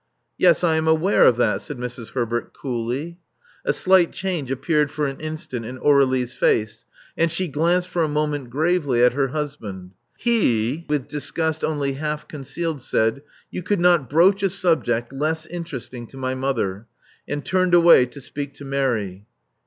Yes, I am aware of that," said Mrs. Herbert coolly. A slight change appeared for an instant in Aurdlie's face; and she glanced for a moment gravely at her husband. He, with disgust only half concealed, said, "You could not broach a subject less interest ing to my mother," and turned away to speak to Mary.